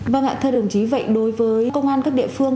vâng ạ thưa đồng chí vậy đối với công an các địa phương